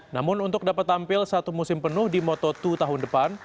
namun untuk dapat tampil satu musim penuh di moto dua tahun depan